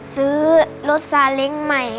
ซื้อรถซาเล้งใหม่